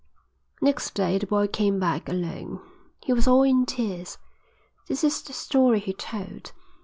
"Next day the boy came back alone. He was all in tears. This is the story he told.